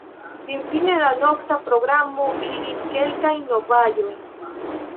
Finfine la nokta programo vidis kelkajn novaĵojn.